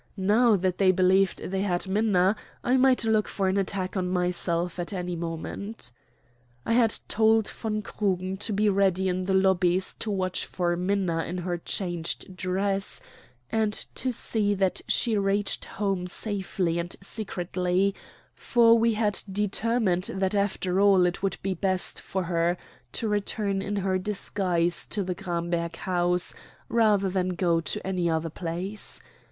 Now that they believed they had Minna, I might look for an attack on myself at any moment. I had told von Krugen to be ready in the lobbies to watch for Minna in her changed dress and to see that she reached home safely and secretly; for we had determined that after all it would be best for her to return in her disguise to the Gramberg house rather than go to any other place.